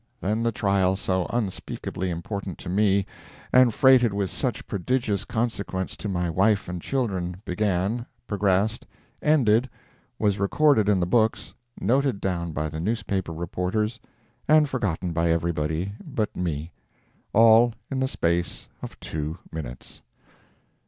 Then the trial so unspeakably important to me, and freighted with such prodigious consequence to my wife and children, began, progressed, ended, was recorded in the books, noted down by the newspaper reporters, and forgotten by everybody but me all in the little space of two minutes!